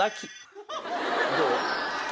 どう？